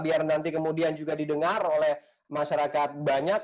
biar nanti kemudian juga didengar oleh masyarakat banyak